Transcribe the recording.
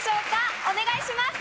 お願いします。